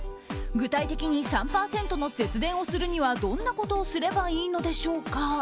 具体的に３％の節電をするにはどんなことをすればいいのでしょうか。